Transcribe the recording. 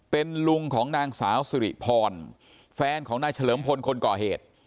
เป็นลุงของนางสาวสิริพรแฟนของนายเฉลิมพลคนก่อเหตุ